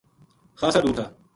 خاصا دُور تھا